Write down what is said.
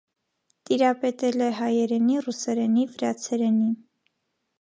Տիրապետել է հայերենի, ռուսերենի, վրացերենի։